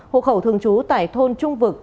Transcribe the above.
hộ khẩu thường trú tại thôn trung vực